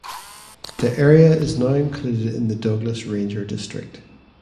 The area is now included in the Douglas Ranger District.